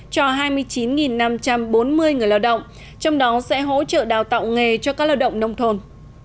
cho hai mươi chín năm trăm bốn mươi người lao động trong đó sẽ hỗ trợ đào tạo nghề cho các lao động nông thôn